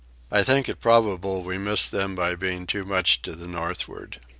I think it probable we missed them by being too much to the northward.)